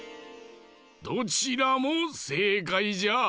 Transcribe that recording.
どちらもせいかいじゃ。